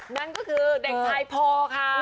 นั่นก็คือเด็กชายโพค่ะ